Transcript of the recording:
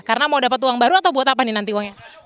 karena mau dapat uang baru atau buat apa nih nanti uangnya